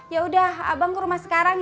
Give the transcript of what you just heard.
yaudah abang ke rumah sekarang ya